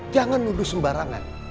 jangan nuduh sembarangan